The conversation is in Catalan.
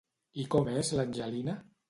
I com és l'Angelina?